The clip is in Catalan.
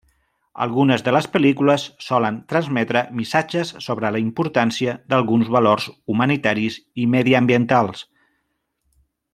Algunes de les pel·lícules solen transmetre missatges sobre la importància d'alguns valors humanitaris i mediambientals.